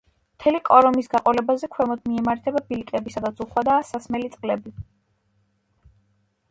მთელი კორომის გაყოლებაზე ქვემოთ მიემართება ბილიკები სადაც უხვადაა სასმელი წყლები.